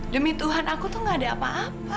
demi tuhan aku tuh gak ada apa apa